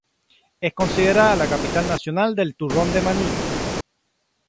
Es considerada la Capital Nacional del turrón de maní.